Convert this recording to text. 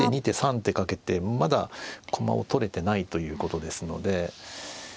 １手２手３手かけてまだ駒を取れてないということですので。